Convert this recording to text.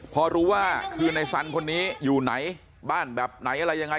พอรู้ว่าคือในสันคนนี้อยู่ไหนบ้านแบบไหนอะไรยังไง